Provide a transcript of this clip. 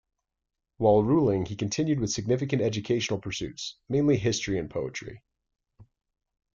While ruling, he continued with significant educational pursuits, mainly history and poetry.